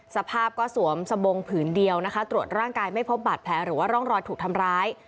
สภาพก็สวมสบงผืนเดียวนะคะตรวจร่างกายไม่พบบาดแผลหรือว่าร่องรอยถูกทำร้าย